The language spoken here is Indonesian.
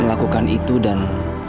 melakukan itu dan